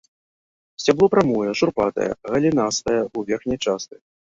Сцябло прамое, шурпатае, галінастае ў верхняй частцы.